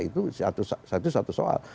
itu satu satu soal